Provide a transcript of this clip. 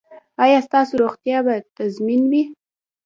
ایا ستاسو روغتیا به تضمین وي؟